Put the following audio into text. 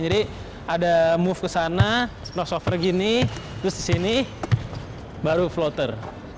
jadi ada move ke sana crossover gini terus di sini baru floater